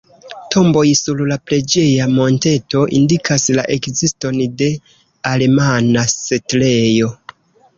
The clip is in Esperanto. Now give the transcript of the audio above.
Tomboj sur la preĝeja monteto indikas la ekziston de alemana setlejo.